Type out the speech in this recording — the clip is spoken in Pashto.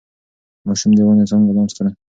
ماشوم د ونې څانګه لمس کړه.